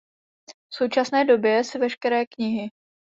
V současné době si veškeré knihy